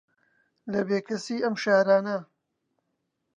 لە بێکەسی ئەم شارانە